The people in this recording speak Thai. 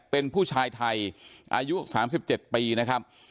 เป็นผู้ชายไทยอายุสามสิบเจ็ดปีนะครับ